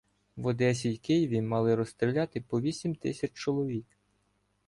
В Одесі й Києві мали розстріляти по вісім тисяч чоловік.